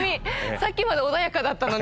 さっきまで穏やかだったのに。